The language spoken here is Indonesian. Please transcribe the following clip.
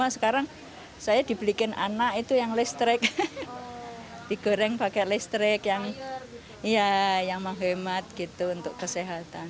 sekarang saya dibelikan anak itu yang listrik digoreng pakai listrik yang menghemat gitu untuk kesehatan